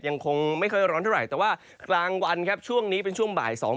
ยังคงไม่ค่อยร้อนเท่าไหร่แต่ว่ากลางวันครับช่วงนี้เป็นช่วงบ่ายสอง